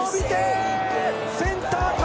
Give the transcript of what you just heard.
センター